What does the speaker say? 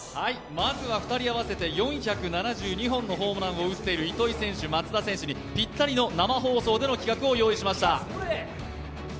まずは２人合わせて４７２本のホームランを打っている糸井選手、松田選手にぴったりの生放送での企画を用意しました。